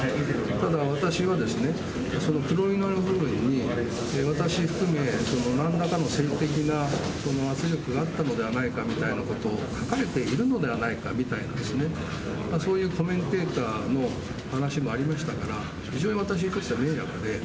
ただ私は、その黒塗りの部分に私を含め、なんらかの政治的な圧力があったのではないかみたいなことを、書かれているのではないかみたいな、そういうコメンテーターの話もありましたから、非常に私としては迷惑で。